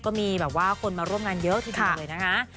ก็มีแบบว่าคนมาร่วมงานเยอะทีเดียวเลยนะคะ